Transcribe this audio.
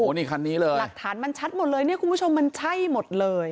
นี่คันนี้เลยหลักฐานมันชัดหมดเลยเนี่ยคุณผู้ชมมันใช่หมดเลย